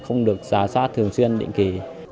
không được giả sát thường xuyên định kỳ